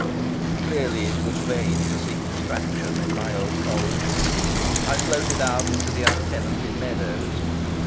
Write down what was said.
Clearly it was vain to seek distraction in my old College. I floated out into the untenanted meadows.